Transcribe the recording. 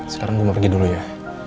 sekarang gue mau pergi dulu ya